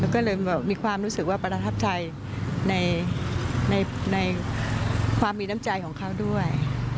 ก็เลยมีความรู้สึกว่าประทับใจในความมีน้ำใจของเขาด้วย